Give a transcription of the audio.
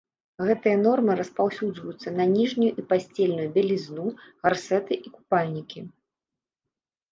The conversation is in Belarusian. Гэтыя нормы распаўсюджваюцца на ніжнюю і пасцельную бялізну, гарсэты і купальнікі.